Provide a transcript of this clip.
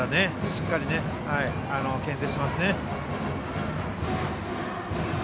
しっかりけん制してきますね。